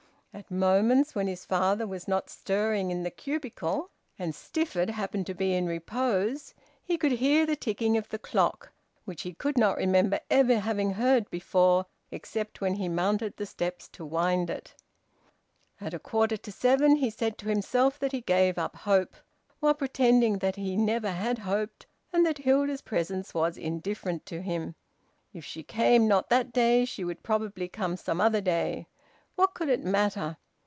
At moments when his father was not stirring in the cubicle, and Stifford happened to be in repose, he could hear the ticking of the clock, which he could not remember ever having heard before, except when he mounted the steps to wind it. At a quarter to seven he said to himself that he gave up hope, while pretending that he never had hoped, and that Hilda's presence was indifferent to him. If she came not that day she would probably come some other day. What could it matter?